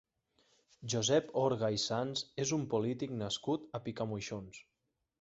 Josep Orga i Sans és un polític nascut a Picamoixons.